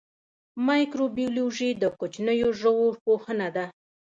مایکروبیولوژي د کوچنیو ژویو پوهنه ده